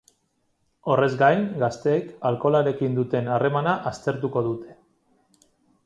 Horrez gain, gazteek alkoholarekin duten harremana aztertuko dute.